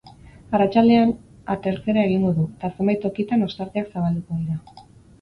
Arratsaldean, atertzera egingo du, eta zenbait tokitan ostarteak zabalduko dira.